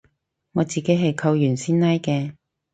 我自己係扣完先拉嘅